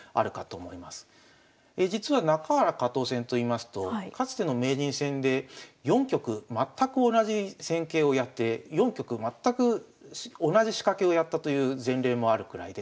実は中原加藤戦といいますとかつての名人戦で４局全く同じ戦型をやって４局全く同じ仕掛けをやったという前例もあるくらいで。